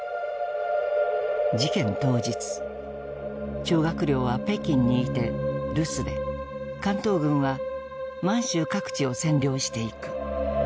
事件当日張学良は北京にいて留守で関東軍は満州各地を占領していく。